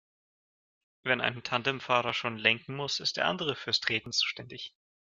Wenn ein Tandemfahrer schon lenken muss, ist der andere fürs Treten zuständig.